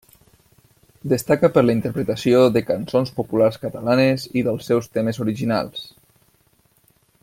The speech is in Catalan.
Destaca per la interpretació de cançons populars catalanes i dels seus temes originals.